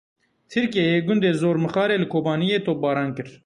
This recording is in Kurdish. Tirkiyeyê gundê Zor Mixarê li Kobaniyê topbaran kir.